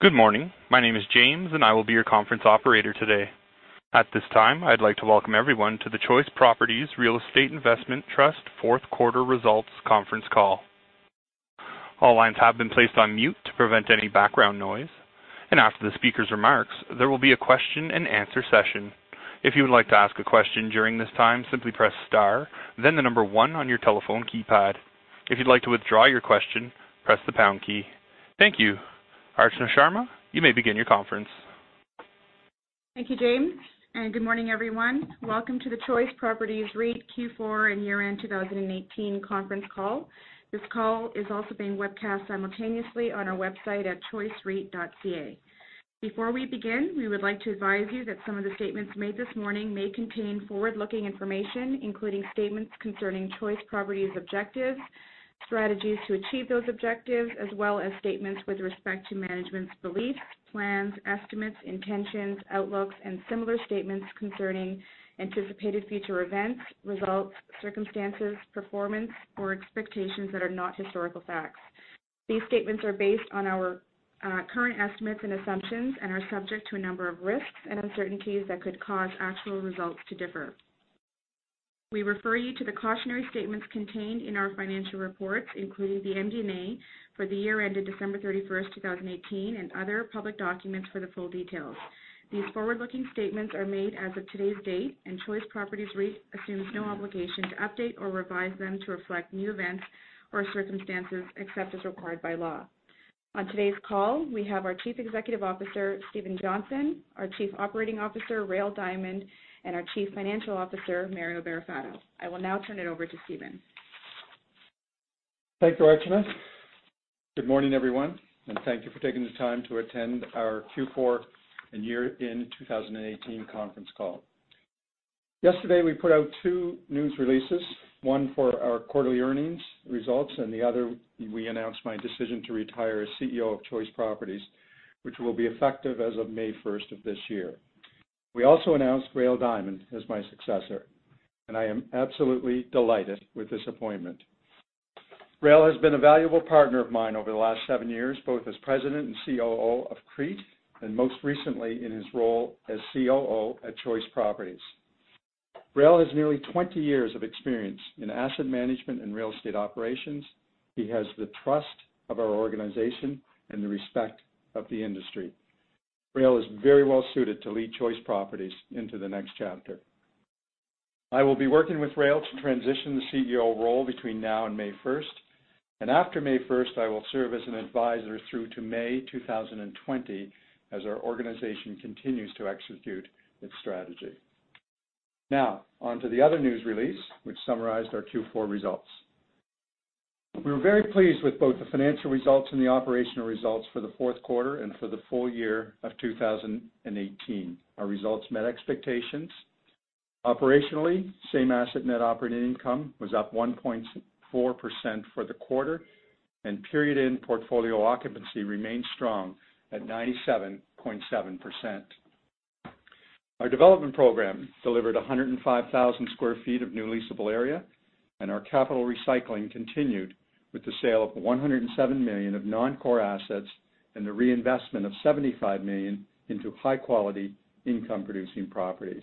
Good morning. My name is James, and I will be your conference operator today. At this time, I'd like to welcome everyone to the Choice Properties Real Estate Investment Trust fourth quarter results conference call. All lines have been placed on mute to prevent any background noise, and after the speaker's remarks, there will be a question-and-answer session. If you would like to ask a question during this time, simply press star, then the number 1 on your telephone keypad. If you'd like to withdraw your question, press the pound key. Thank you. Archana Sharma, you may begin your conference. Thank you, James, and good morning, everyone. Welcome to the Choice Properties REIT Q4 and year-end 2018 conference call. This call is also being webcast simultaneously on our website at choicereit.ca. Before we begin, we would like to advise you that some of the statements made this morning may contain forward-looking information, including statements concerning Choice Properties objectives, strategies to achieve those objectives, as well as statements with respect to management's beliefs, plans, estimates, intentions, outlooks, and similar statements concerning anticipated future events, results, circumstances, performance, or expectations that are not historical facts. These statements are based on our current estimates and assumptions and are subject to a number of risks and uncertainties that could cause actual results to differ. We refer you to the cautionary statements contained in our financial reports, including the MD&A for the year ended December 31st, 2018, and other public documents for the full details. These forward-looking statements are made as of today's date. Choice Properties REIT assumes no obligation to update or revise them to reflect new events or circumstances except as required by law. On today's call, we have our Chief Executive Officer, Stephen Johnson, our Chief Operating Officer, Rael Diamond, and our Chief Financial Officer, Mario Barrafato. I will now turn it over to Stephen. Thank you, Archana. Good morning, everyone, and thank you for taking the time to attend our Q4 and year-end 2018 conference call. Yesterday, we put out two news releases, one for our quarterly earnings results, and the other, we announced my decision to retire as CEO of Choice Properties, which will be effective as of May 1st of this year. We also announced Rael Diamond as my successor, and I am absolutely delighted with this appointment. Rael has been a valuable partner of mine over the last seven years, both as President and COO of CREIT, and most recently in his role as COO at Choice Properties. Rael has nearly 20 years of experience in asset management and real estate operations. He has the trust of our organization and the respect of the industry. Rael is very well-suited to lead Choice Properties into the next chapter. I will be working with Rael to transition the CEO role between now and May 1st, and after May 1st, I will serve as an advisor through to May 2020 as our organization continues to execute its strategy. On to the other news release, which summarized our Q4 results. We were very pleased with both the financial results and the operational results for the fourth quarter and for the full year of 2018. Our results met expectations. Operationally, same-asset net operating income was up 1.4% for the quarter, and period-end portfolio occupancy remained strong at 97.7%. Our development program delivered 105,000 sq ft of new leasable area, and our capital recycling continued with the sale of 107 million of non-core assets and the reinvestment of 75 million into high-quality income-producing properties.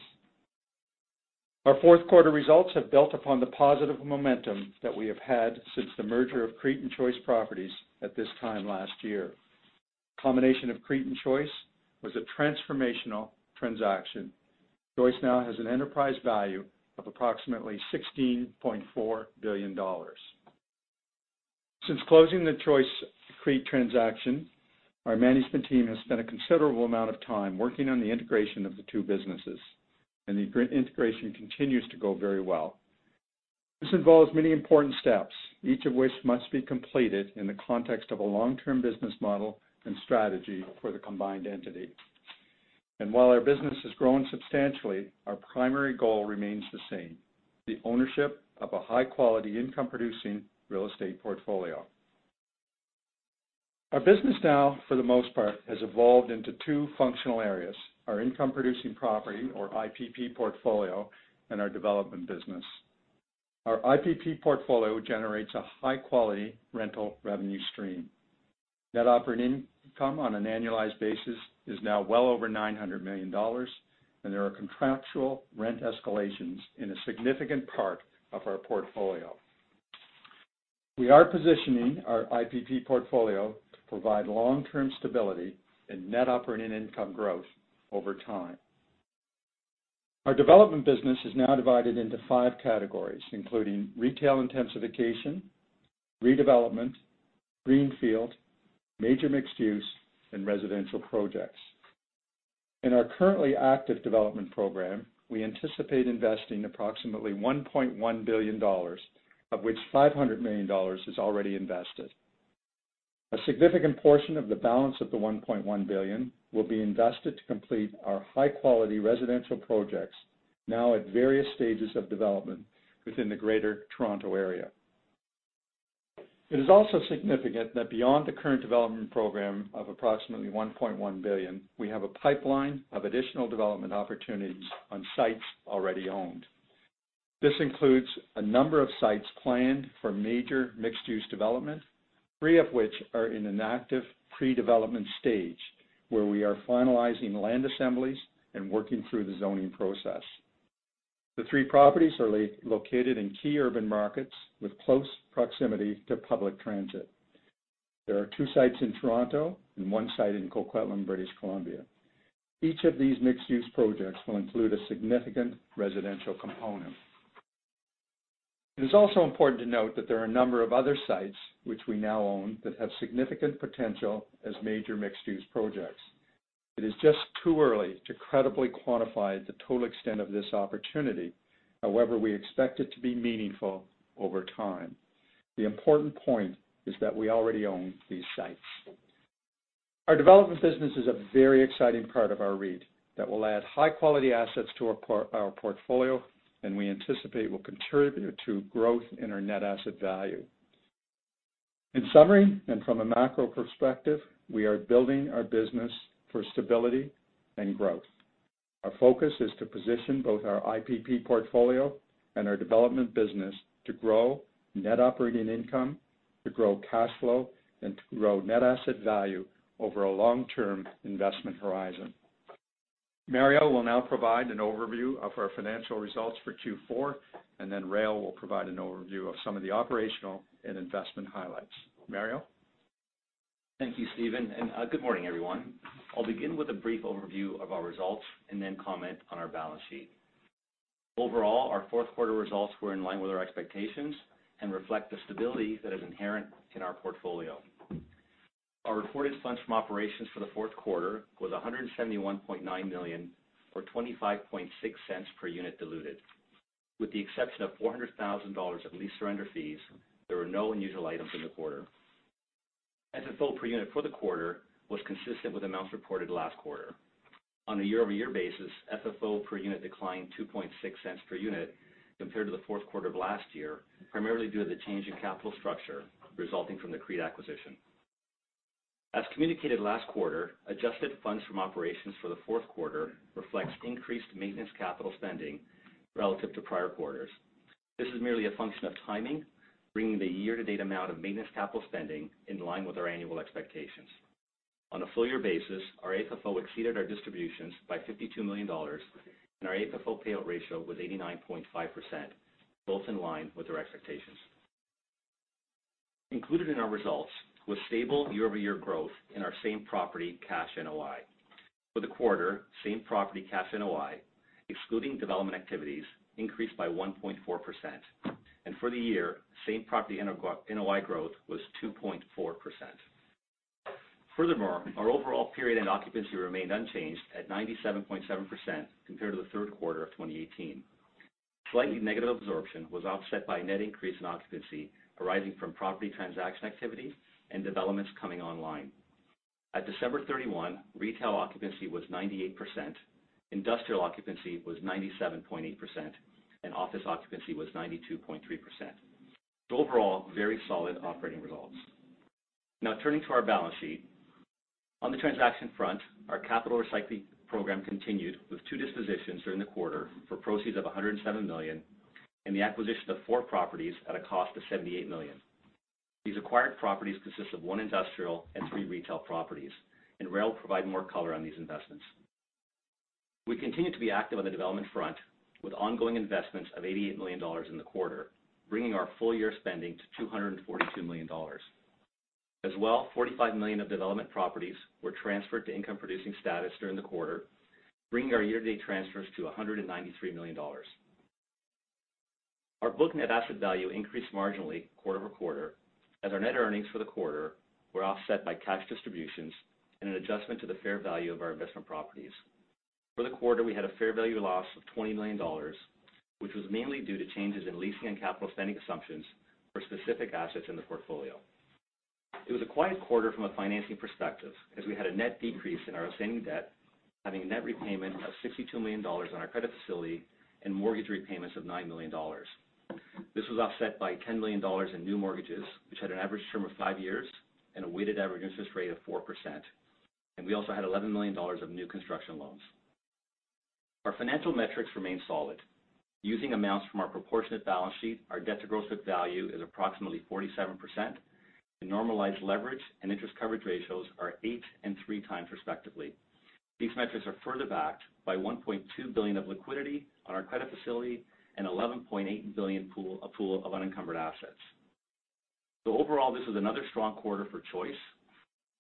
Our fourth quarter results have built upon the positive momentum that we have had since the merger of CREIT and Choice Properties at this time last year. The combination of CREIT and Choice was a transformational transaction. Choice now has an enterprise value of approximately 16.4 billion dollars. Since closing the Choice-CREIT transaction, our management team has spent a considerable amount of time working on the integration of the two businesses, and the integration continues to go very well. This involves many important steps, each of which must be completed in the context of a long-term business model and strategy for the combined entity. While our business has grown substantially, our primary goal remains the same, the ownership of a high-quality income-producing real estate portfolio. Our business now, for the most part, has evolved into two functional areas, our income-producing property, or IPP portfolio, and our development business. Our IPP portfolio generates a high-quality rental revenue stream. Net operating income on an annualized basis is now well over 900 million dollars, and there are contractual rent escalations in a significant part of our portfolio. We are positioning our IPP portfolio to provide long-term stability and net operating income growth over time. Our development business is now divided into 5 categories, including retail intensification, redevelopment, greenfield, major mixed-use, and residential projects. In our currently active development program, we anticipate investing approximately 1.1 billion dollars, of which 500 million dollars is already invested. A significant portion of the balance of the 1.1 billion will be invested to complete our high-quality residential projects, now at various stages of development within the Greater Toronto Area. It is also significant that beyond the current development program of approximately 1.1 billion, we have a pipeline of additional development opportunities on sites already owned. This includes a number of sites planned for major mixed-use development, three of which are in an active pre-development stage, where we are finalizing land assemblies and working through the zoning process. The three properties are located in key urban markets with close proximity to public transit. There are two sites in Toronto and one site in Coquitlam, British Columbia. Each of these mixed-use projects will include a significant residential component. It is also important to note that there are a number of other sites which we now own, that have significant potential as major mixed-use projects. It is just too early to credibly quantify the total extent of this opportunity. We expect it to be meaningful over time. The important point is that we already own these sites. Our development business is a very exciting part of our REIT that will add high-quality assets to our portfolio, and we anticipate will contribute to growth in our net asset value. In summary, from a macro perspective, we are building our business for stability and growth. Our focus is to position both our IPP portfolio and our development business to grow net operating income, to grow cash flow, and to grow net asset value over a long-term investment horizon. Mario will now provide an overview of our financial results for Q4, and then Rael will provide an overview of some of the operational and investment highlights. Mario? Thank you, Stephen, and good morning, everyone. I'll begin with a brief overview of our results and then comment on our balance sheet. Overall, our fourth quarter results were in line with our expectations and reflect the stability that is inherent in our portfolio. Our reported funds from operations for the fourth quarter was 171.9 million, or 0.256 per unit diluted. With the exception of 400,000 dollars of lease surrender fees, there were no unusual items in the quarter. FFO per unit for the quarter was consistent with amounts reported last quarter. On a year-over-year basis, FFO per unit declined 0.026 per unit compared to the fourth quarter of last year, primarily due to the change in capital structure resulting from the CREIT acquisition. As communicated last quarter, adjusted funds from operations for the fourth quarter reflects increased maintenance capital spending relative to prior quarters. This is merely a function of timing, bringing the year-to-date amount of maintenance capital spending in line with our annual expectations. On a full-year basis, our AFFO exceeded our distributions by 52 million dollars, and our AFFO payout ratio was 89.5%, both in line with our expectations. Included in our results was stable year-over-year growth in our same-property cash NOI. For the quarter, same-property cash NOI, excluding development activities, increased by 1.4%, and for the year, same-property NOI growth was 2.4%. Furthermore, our overall period-end occupancy remained unchanged at 97.7% compared to the third quarter of 2018. Slightly negative absorption was offset by a net increase in occupancy arising from property transaction activity and developments coming online. At December 31, retail occupancy was 98%, industrial occupancy was 97.8%, and office occupancy was 92.3%. Overall, very solid operating results. Now turning to our balance sheet. On the transaction front, our capital recycling program continued with two dispositions during the quarter for proceeds of 107 million and the acquisition of four properties at a cost of 78 million. These acquired properties consist of one industrial and three retail properties, and Rael will provide more color on these investments. We continue to be active on the development front with ongoing investments of 88 million dollars in the quarter, bringing our full-year spending to 242 million dollars. As well, 45 million of development properties were transferred to income-producing status during the quarter, bringing our year-to-date transfers to 193 million dollars. Our book net asset value increased marginally quarter-over-quarter, as our net earnings for the quarter were offset by cash distributions and an adjustment to the fair value of our investment properties. For the quarter, we had a fair value loss of 20 million dollars, which was mainly due to changes in leasing and capital spending assumptions for specific assets in the portfolio. It was a quiet quarter from a financing perspective, as we had a net decrease in our outstanding debt, having a net repayment of 62 million dollars on our credit facility and mortgage repayments of 9 million dollars. This was offset by 10 million dollars in new mortgages, which had an average term of five years and a weighted average interest rate of 4%, and we also had 11 million dollars of new construction loans. Our financial metrics remain solid. Using amounts from our proportionate balance sheet, our debt to gross book value is approximately 47%, and normalized leverage and interest coverage ratios are eight and three times respectively. These metrics are further backed by 1.2 billion of liquidity on our credit facility and 11.8 billion pool, a pool of unencumbered assets. Overall, this was another strong quarter for Choice.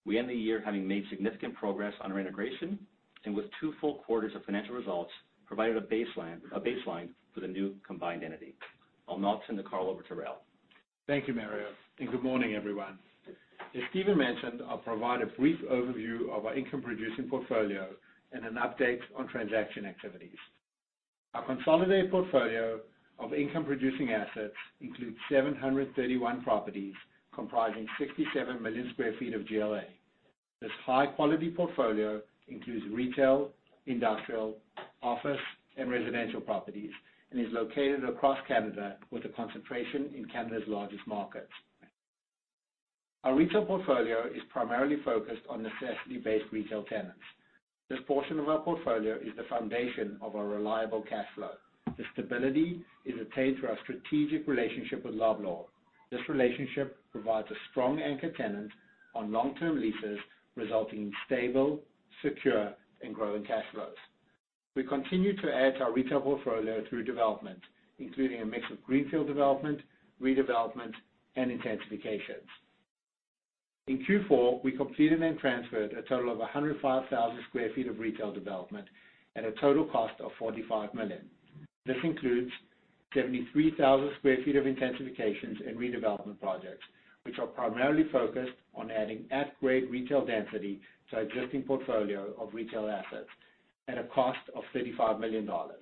We end the year having made significant progress on our integration and with two full quarters of financial results, provided a baseline for the new combined entity. I'll now turn the call over to Rael. Thank you, Mario, and good morning, everyone. As Stephen mentioned, I'll provide a brief overview of our income-producing portfolio and an update on transaction activities. Our consolidated portfolio of income-producing assets includes 731 properties comprising 67 million sq ft of GLA. This high-quality portfolio includes retail, industrial, office, and residential properties and is located across Canada with a concentration in Canada's largest markets. Our retail portfolio is primarily focused on necessity-based retail tenants. This portion of our portfolio is the foundation of our reliable cash flow. The stability is attained through our strategic relationship with Loblaw. This relationship provides a strong anchor tenant on long-term leases, resulting in stable, secure, and growing cash flows. We continue to add to our retail portfolio through development, including a mix of greenfield development, redevelopment, and intensifications. In Q4, we completed and transferred a total of 105,000 sq ft of retail development at a total cost of 45 million. This includes 73,000 sq ft of intensifications and redevelopment projects, which are primarily focused on adding at-grade retail density to our existing portfolio of retail assets at a cost of 35 million dollars,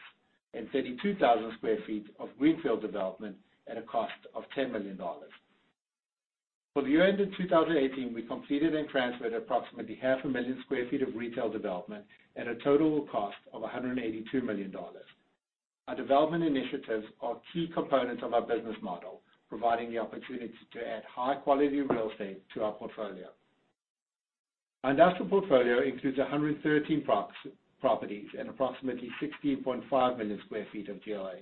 and 32,000 sq ft of greenfield development at a cost of 10 million dollars. For the year ended 2018, we completed and transferred approximately half a million sq ft of retail development at a total cost of 182 million dollars. Our development initiatives are key components of our business model, providing the opportunity to add high-quality real estate to our portfolio. Our industrial portfolio includes 113 properties and approximately 16.5 million sq ft of GLA.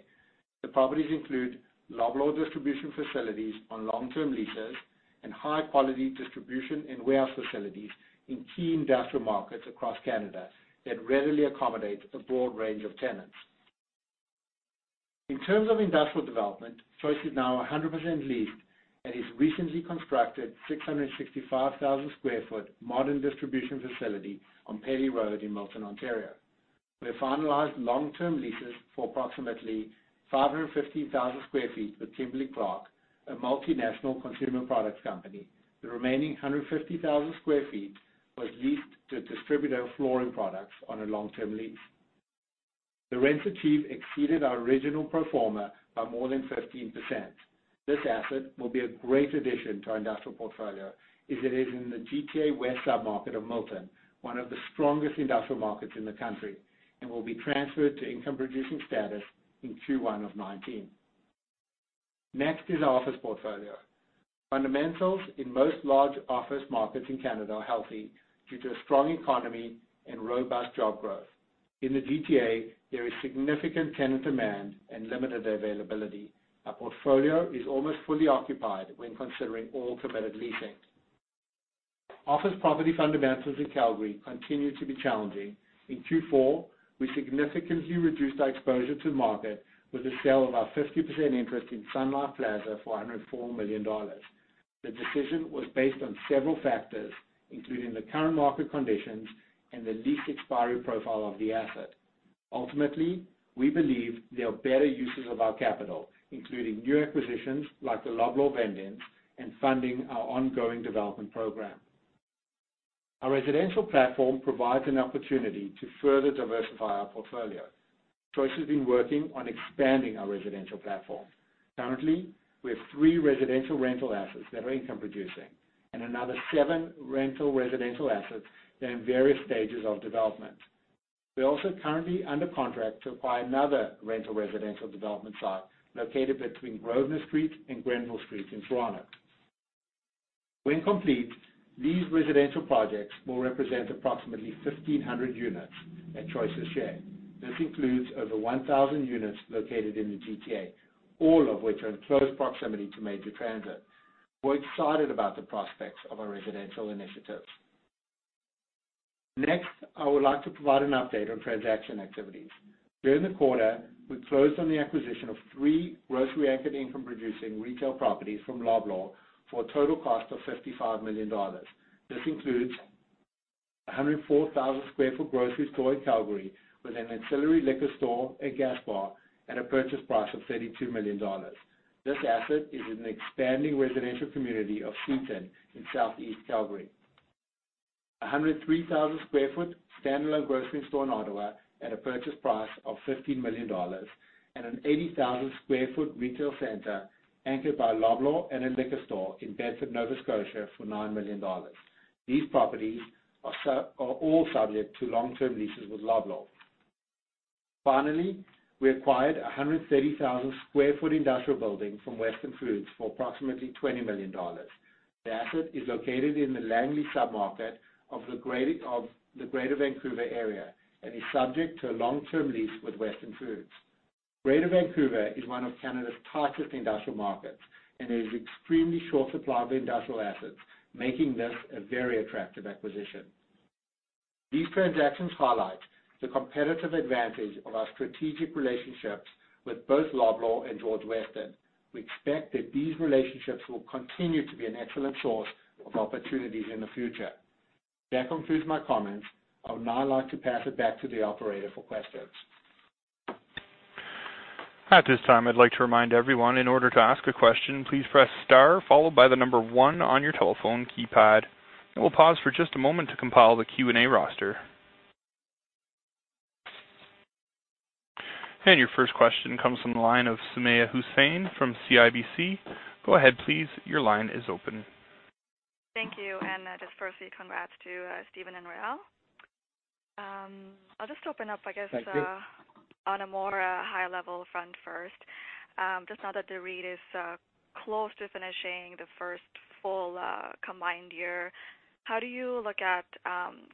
The properties include Loblaw distribution facilities on long-term leases and high-quality distribution and warehouse facilities in key industrial markets across Canada that readily accommodate a broad range of tenants. In terms of industrial development, Choice is now 100% leased at its recently constructed 665,000 sq ft modern distribution facility on Pelly Road in Milton, Ontario. We have finalized long-term leases for approximately 515,000 sq ft with Kimberly-Clark, a multinational consumer products company. The remaining 150,000 sq ft was leased to a distributor of flooring products on a long-term lease. The rents achieved exceeded our original pro forma by more than 15%. This asset will be a great addition to our industrial portfolio as it is in the GTA west sub-market of Milton, one of the strongest industrial markets in the country, and will be transferred to income-producing status in Q1 of 2019. Our office portfolio. Fundamentals in most large office markets in Canada are healthy due to a strong economy and robust job growth. In the GTA, there is significant tenant demand and limited availability. Our portfolio is almost fully occupied when considering all committed leasing. Office property fundamentals in Calgary continue to be challenging. In Q4, we significantly reduced our exposure to the market with the sale of our 50% interest in Sun Life Plaza for 104 million dollars. The decision was based on several factors, including the current market conditions and the lease expiry profile of the asset. Ultimately, we believe there are better uses of our capital, including new acquisitions like the Loblaw vend-ins and funding our ongoing development program. Our residential platform provides an opportunity to further diversify our portfolio. Choice has been working on expanding our residential platform. Currently, we have three residential rental assets that are income producing and another seven rental residential assets that are in various stages of development. We are also currently under contract to acquire another rental residential development site located between Grosvenor Street and Grenville Street in Toronto. When complete, these residential projects will represent approximately 1,500 units at Choice's share. This includes over 1,000 units located in the GTA, all of which are in close proximity to major transit. We're excited about the prospects of our residential initiatives. I would like to provide an update on transaction activities. During the quarter, we closed on the acquisition of three grocery-anchored income-producing retail properties from Loblaw for a total cost of 55 million dollars. This includes a 104,000 sq ft grocery store in Calgary with an ancillary liquor store, a gas bar, at a purchase price of 32 million dollars. This asset is in the expanding residential community of Seton in Southeast Calgary. 103,000 sq ft standalone grocery store in Ottawa at a purchase price of 15 million dollars and an 80,000 sq ft retail center anchored by Loblaw and a liquor store in Bedford, Nova Scotia for 9 million dollars. These properties are all subject to long-term leases with Loblaw. We acquired a 130,000 sq ft industrial building from Weston Foods for approximately 20 million dollars. The asset is located in the Langley submarket of the Greater Vancouver area and is subject to a long-term lease with Weston Foods. Greater Vancouver is one of Canada's tightest industrial markets and there is extremely short supply of industrial assets, making this a very attractive acquisition. These transactions highlight the competitive advantage of our strategic relationships with both Loblaw and George Weston. We expect that these relationships will continue to be an excellent source of opportunities in the future. That concludes my comments. I would now like to pass it back to the operator for questions. At this time, I'd like to remind everyone, in order to ask a question, please press star followed by the number one on your telephone keypad. We'll pause for just a moment to compile the Q&A roster. Your first question comes from the line of Sumayya Syed from CIBC. Go ahead, please. Your line is open. Thank you. Just firstly, congrats to Stephen and Rael. I'll just open up, I guess. Thank you On a more high-level front first. Just now that the REIT is close to finishing the first full combined year, how do you look at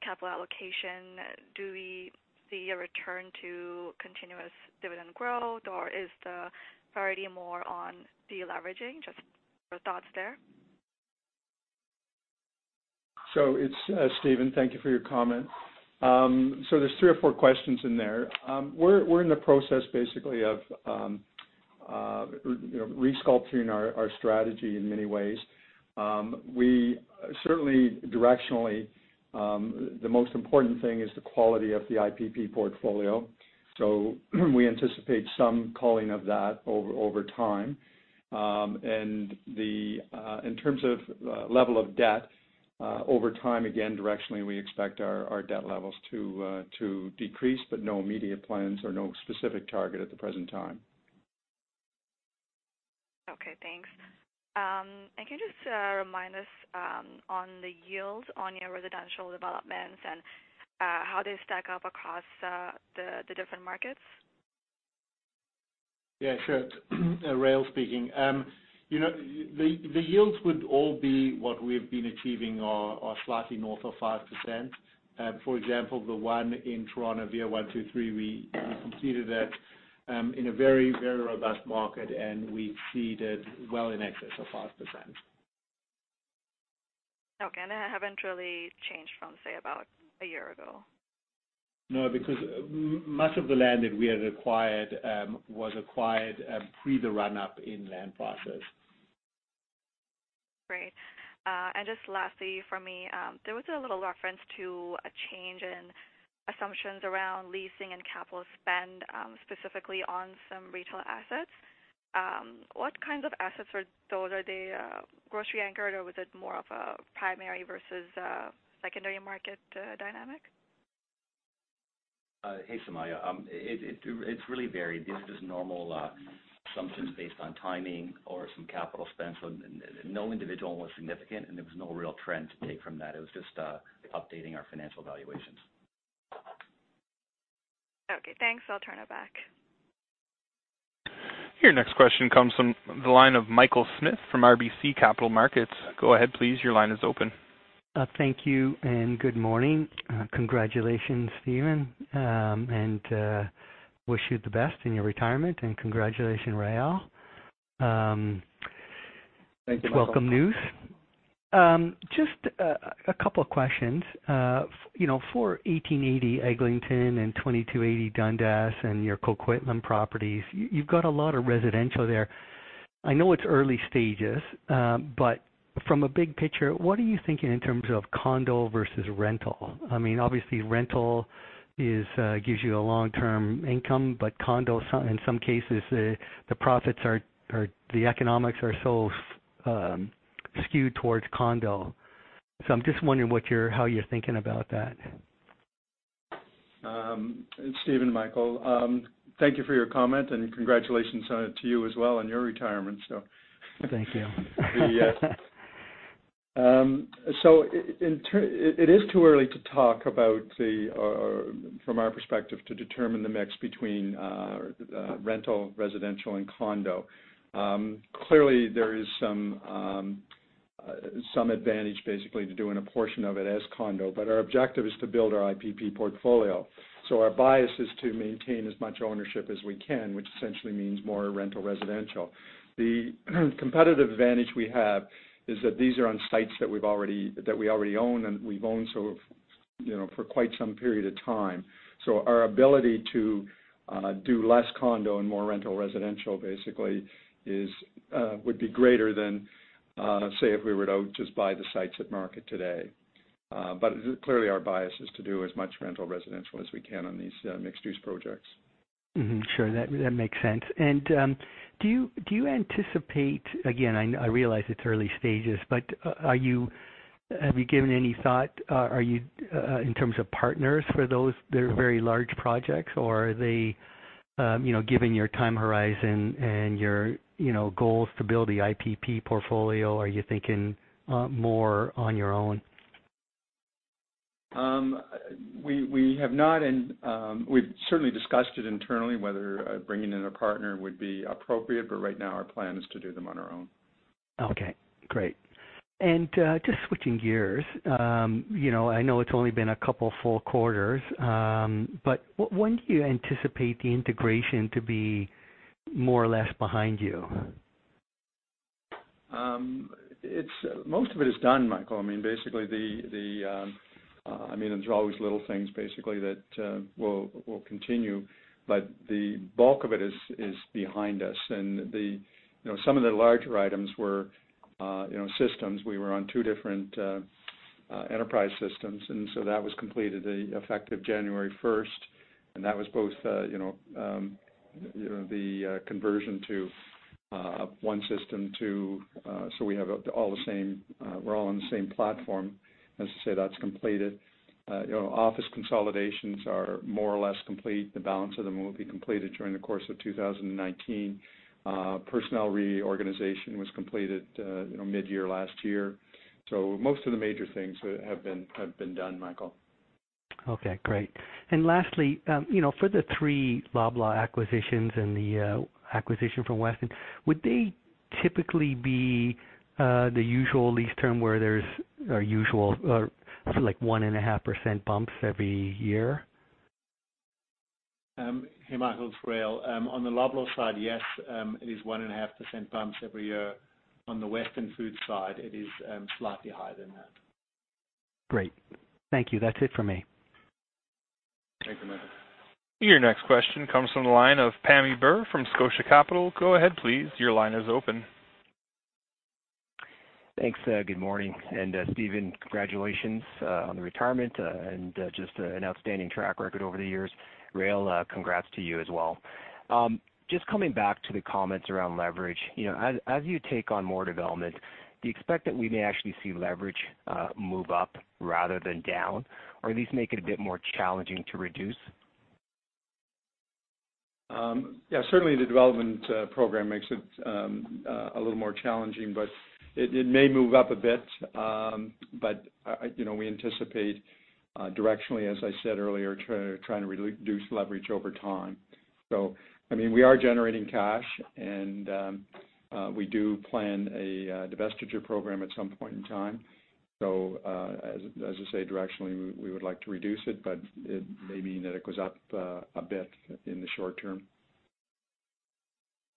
capital allocation? Do we see a return to continuous dividend growth, or is the priority more on de-leveraging? Just your thoughts there. It's Stephen. Thank you for your comment. There's three or four questions in there. We're in the process, basically, of resculpturing our strategy in many ways. Certainly, directionally, the most important thing is the quality of the IPP portfolio. We anticipate some culling of that over time. In terms of level of debt, over time, again, directionally, we expect our debt levels to decrease, but no immediate plans or no specific target at the present time. Okay, thanks. Can you just remind us on the yield on your residential developments and how they stack up across the different markets? Yeah, sure. It's Rael speaking. The yields would all be what we've been achieving are slightly north of 5%. For example, the one in Toronto, VIA 123, we completed that in a very, very robust market, and we exceeded well in excess of 5%. Okay. That haven't really changed from, say, about a year ago. No, because much of the land that we had acquired was acquired pre the run-up in land prices. Great. Just lastly for me, there was a little reference to a change in assumptions around leasing and capital spend, specifically on some retail assets. What kinds of assets were those? Are they grocery-anchored, or was it more of a primary versus secondary market dynamic? Hey, Sumayya. It's really varied. These are just normal assumptions based on timing or some capital spend. No individual was significant, and there was no real trend to take from that. It was just updating our financial valuations. Okay, thanks. I'll turn it back. Your next question comes from the line of Michael Smith from RBC Capital Markets. Go ahead, please. Your line is open. Thank you and good morning. Congratulations, Stephen, and wish you the best in your retirement. Congratulations, Rael. Thank you, Michael. Welcome news. Just a couple of questions. For 1880 Eglinton and 2280 Dundas and your Coquitlam properties, you've got a lot of residential there. I know it's early stages. From a big picture, what are you thinking in terms of condo versus rental? Obviously, rental gives you a long-term income, but condo, in some cases, the economics are so skewed towards condo. I'm just wondering how you're thinking about that. It's Stephen, Michael. Thank you for your comment and congratulations to you as well on your retirement. Thank you. It is too early to talk about the, or from our perspective, to determine the mix between rental, residential, and condo. Clearly, there is some advantage basically to doing a portion of it as condo, but our objective is to build our IPP portfolio. Our bias is to maintain as much ownership as we can, which essentially means more rental residential. The competitive advantage we have is that these are on sites that we already own, and we've owned for quite some period of time. Our ability to do less condo and more rental residential basically would be greater than, say, if we were to just buy the sites at market today. Clearly our bias is to do as much rental residential as we can on these mixed-use projects. Mm-hmm. Sure. That makes sense. Do you anticipate, again, I realize it's early stages, but have you given any thought in terms of partners for those? They're very large projects, or are they given your time horizon and your goals to build the IPP portfolio, are you thinking more on your own? We have not. We've certainly discussed it internally, whether bringing in a partner would be appropriate. Right now, our plan is to do them on our own. Okay, great. Just switching gears. I know it's only been a couple of full quarters. When do you anticipate the integration to be more or less behind you? Most of it is done, Michael. There's always little things, basically, that will continue, but the bulk of it is behind us. Some of the larger items were systems. We were on two different enterprise systems, so that was completed effective January 1st. That was both the conversion to one system, so we're all on the same platform. As I say, that's completed. Office consolidations are more or less complete. The balance of them will be completed during the course of 2019. Personnel reorganization was completed mid-year last year. Most of the major things have been done, Michael. Okay, great. Lastly, for the three Loblaw acquisitions and the acquisition from Weston, would they typically be the usual lease term where there's usual 1.5% bumps every year? Hey, Michael. It's Rael. On the Loblaw side, yes, it is 1.5% bumps every year. On the Weston Foods side, it is slightly higher than that. Great. Thank you. That's it from me. Thanks, Michael. Your next question comes from the line of Pammi Bir from Scotia Capital. Go ahead, please. Your line is open. Thanks. Good morning. Stephen, congratulations on the retirement, and just an outstanding track record over the years. Rael, congrats to you as well. Just coming back to the comments around leverage. As you take on more development, do you expect that we may actually see leverage move up rather than down, or at least make it a bit more challenging to reduce? Yeah. Certainly, the development program makes it a little more challenging, but it may move up a bit. We anticipate directionally, as I said earlier, trying to reduce leverage over time. We are generating cash, and we do plan a divestiture program at some point in time. As I say, directionally, we would like to reduce it, but it may mean that it goes up a bit in the short term.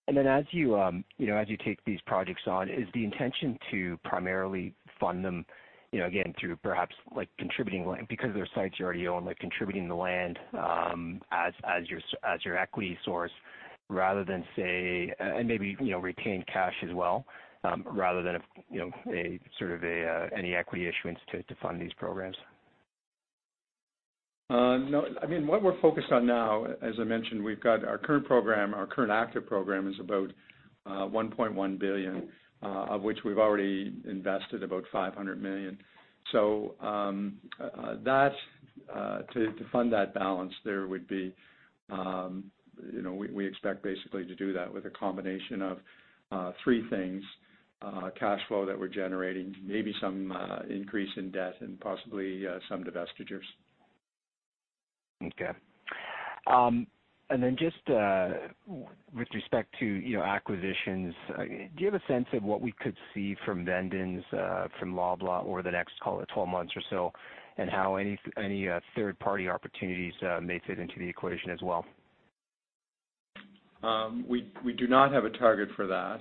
As you take these projects on, is the intention to primarily fund them, again, through perhaps because their sites are already owned, like contributing the land, as your equity source and maybe retain cash as well, rather than any equity issuance to fund these programs? No. What we're focused on now, as I mentioned, our current active program is about 1.1 billion, of which we've already invested about 500 million. To fund that balance, we expect basically to do that with a combination of three things: cash flow that we're generating, maybe some increase in debt, and possibly some divestitures. Okay. Just with respect to acquisitions, do you have a sense of what we could see from Loblaw vend-ins over the next 12 months or so, and how any third-party opportunities may fit into the equation as well? We do not have a target for that.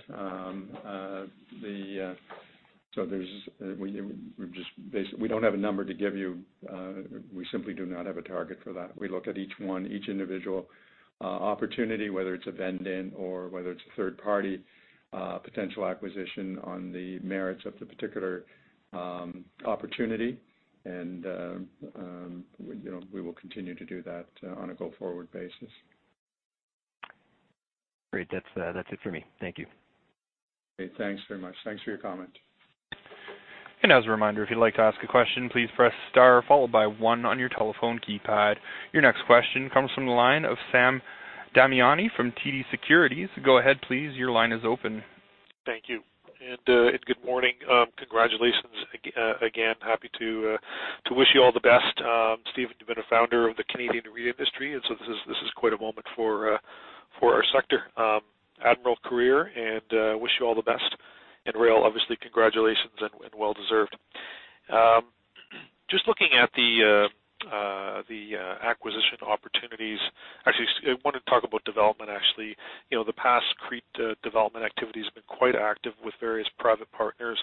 We don't have a number to give you. We simply do not have a target for that. We look at each one, each individual opportunity, whether it's a vend-in or whether it's a third-party potential acquisition on the merits of the particular opportunity. We will continue to do that on a go-forward basis. Great. That's it for me. Thank you. Okay, thanks very much. Thanks for your comment. As a reminder, if you'd like to ask a question, please press star followed by one on your telephone keypad. Your next question comes from the line of Sam Damiani from TD Securities. Go ahead, please. Your line is open. Thank you. Good morning. Congratulations again. Happy to wish you all the best. Stephen, you've been a founder of the Canadian REIT industry, and so this is quite a moment for our sector. Admirable career, wish you all the best. Rael, obviously, congratulations, and well deserved. Just looking at the acquisition opportunities. Actually, I wanted to talk about development, actually. The past CREIT development activity has been quite active with various private partners.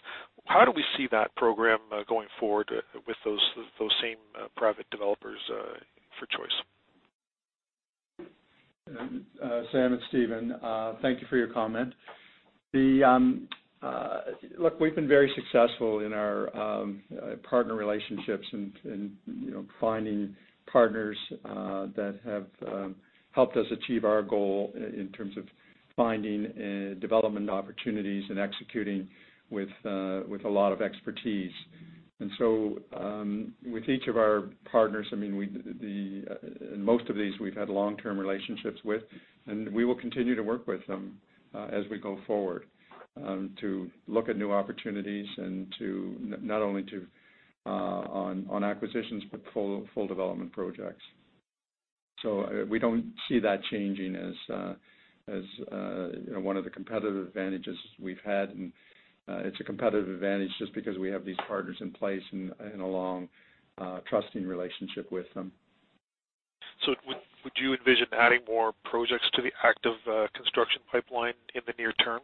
How do we see that program going forward with those same private developers for Choice? Sam, it's Stephen. Thank you for your comment. Look, we've been very successful in our partner relationships and finding partners that have helped us achieve our goal in terms of finding development opportunities and executing with a lot of expertise. With each of our partners, in most of these, we've had long-term relationships with, and we will continue to work with them as we go forward to look at new opportunities and not only on acquisitions but full development projects. We don't see that changing as one of the competitive advantages we've had, and it's a competitive advantage just because we have these partners in place and a long, trusting relationship with them. Would you envision adding more projects to the active construction pipeline in the near term?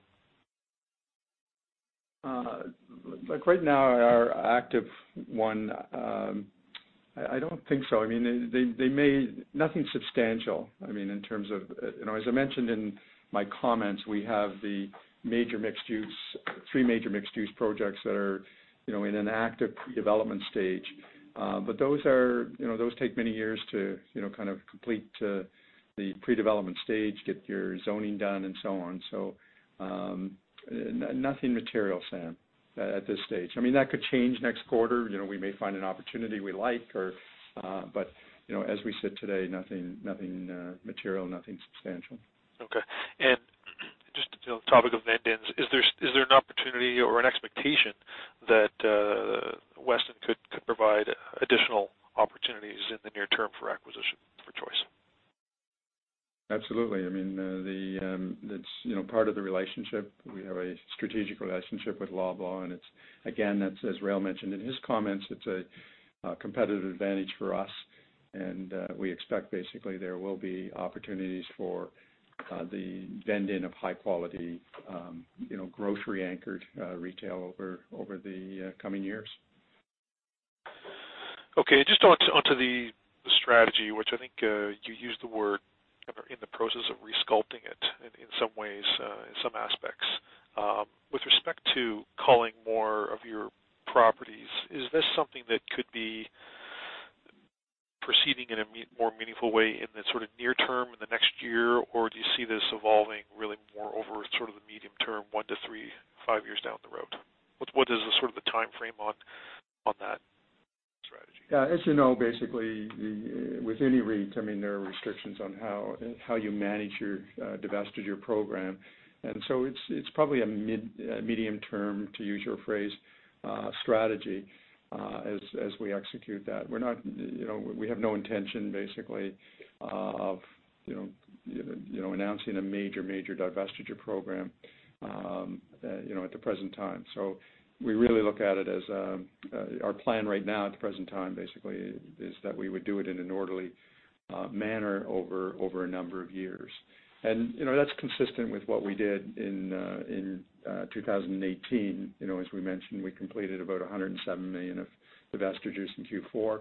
Right now, our active one, I don't think so. Nothing substantial. As I mentioned in my comments, we have the three major mixed-use projects that are in an active pre-development stage. Those take many years to kind of complete the pre-development stage, get your zoning done, and so on. Nothing material, Sam, at this stage. That could change next quarter. We may find an opportunity we like, but as we sit today, nothing material, nothing substantial. Okay. The topic of vend-ins. Is there an opportunity or an expectation that Weston could provide additional opportunities in the near term for acquisition for Choice? Absolutely. It's part of the relationship. We have a strategic relationship with Loblaw, again, as Rael mentioned in his comments, it's a competitive advantage for us. We expect basically there will be opportunities for the vend-in of high quality, grocery-anchored retail over the coming years. Okay. Just onto the strategy, which I think you used the word, in the process of resculpting it in some ways, in some aspects. With respect to culling more of your properties, is this something that could be proceeding in a more meaningful way in the sort of near term, in the next year, or do you see this evolving really more over sort of the medium term, one to three, five years down the road? What is the sort of timeframe on that strategy? Yeah. As you know, basically with any REIT, there are restrictions on how you manage your divestiture program. It's probably a medium term, to use your phrase, strategy, as we execute that. We have no intention, basically, of announcing a major divestiture program at the present time. We really look at it as our plan right now at the present time, basically, is that we would do it in an orderly manner over a number of years. That's consistent with what we did in 2018. As we mentioned, we completed about 107 million of divestitures in Q4.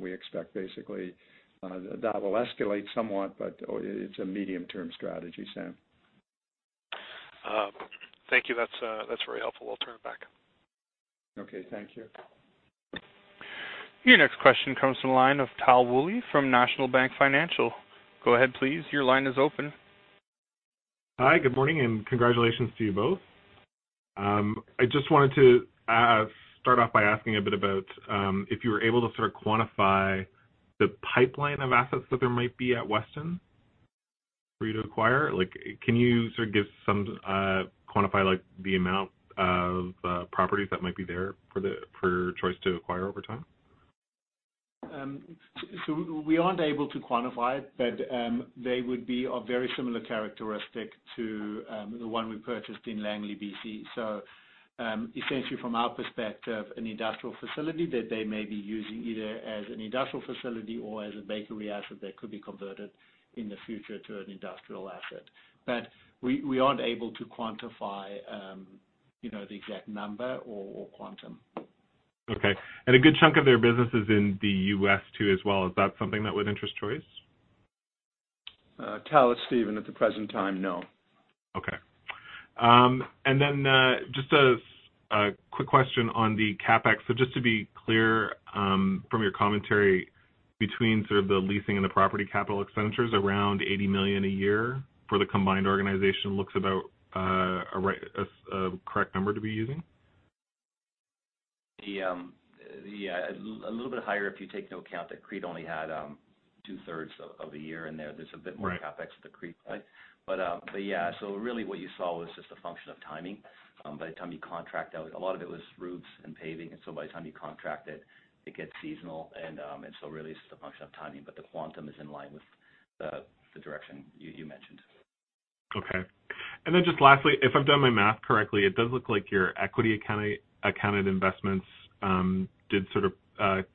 We expect basically that will escalate somewhat, but it's a medium-term strategy, Sam. Thank you. That's very helpful. I'll turn it back. Okay. Thank you. Your next question comes from the line of Tal Woolley from National Bank Financial. Go ahead, please. Your line is open. Hi, good morning, congratulations to you both. I just wanted to start off by asking a bit about if you were able to sort of quantify the pipeline of assets that there might be at Weston for you to acquire. Can you sort of quantify the amount of properties that might be there for Choice to acquire over time? We aren't able to quantify it, but they would be of very similar characteristic to the one we purchased in Langley, B.C. Essentially from our perspective, an industrial facility that they may be using either as an industrial facility or as a bakery asset that could be converted in the future to an industrial asset. We aren't able to quantify the exact number or quantum. Okay. A good chunk of their business is in the U.S. too, as well. Is that something that would interest Choice? Tal, it's Stephen. At the present time, no. Okay. Just a quick question on the CapEx. Just to be clear, from your commentary between sort of the leasing and the property capital expenditures, around 80 million a year for the combined organization looks about a correct number to be using? Yeah. A little bit higher if you take into account that CREIT only had two-thirds of a year in there. There's a bit more. Right CapEx at the CREIT side. Yeah. Really what you saw was just a function of timing. By the time you contract out, a lot of it was roofs and paving. By the time you contract it gets seasonal. Really, it's just a function of timing. The quantum is in line with the direction you mentioned. Okay. Just lastly, if I've done my math correctly, it does look like your equity accounted investments did sort of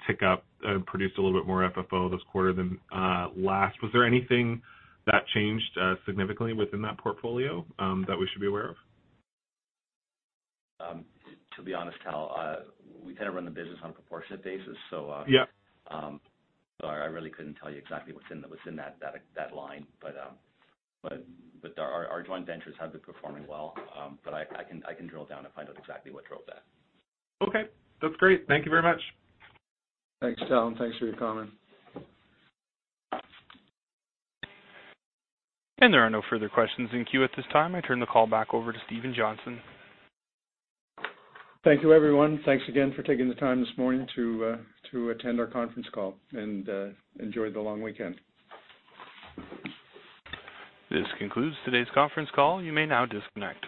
tick up and produced a little bit more FFO this quarter than last. Was there anything that changed significantly within that portfolio that we should be aware of? To be honest, Tal, we kind of run the business on a proportionate basis. Yeah Sorry, I really couldn't tell you exactly what's in that line. Our joint ventures have been performing well. I can drill down to find out exactly what drove that. Okay. That's great. Thank you very much. Thanks, Tal. Thanks for your comment. There are no further questions in queue at this time. I turn the call back over to Stephen Johnson. Thank you, everyone. Thanks again for taking the time this morning to attend our conference call. Enjoy the long weekend. This concludes today's conference call. You may now disconnect.